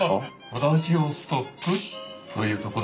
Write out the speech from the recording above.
ウラジオストックという所まで。